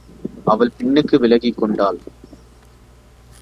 அவள் பின்னுக்கு விலகிக்கொண்டாள்.